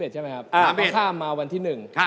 ๓๑ใช่ไหมครับมาข้ามมาวันที่๑